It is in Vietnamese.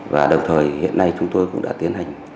và đồng thời hiện nay chúng tôi cũng đã tiến hành